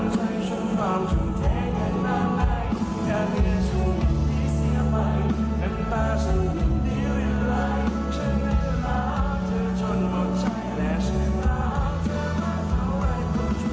ฉันได้รักเธอจนหมดใจและฉันรักเธอมาเท่าไหร่ของฉัน